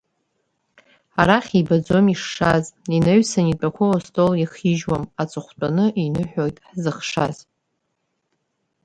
Арахь ибаӡом ишшаз, инаҩсан итәақәоу астол иахижьуам, аҵыхәтәаны иныҳәоит ҳзыхшаз!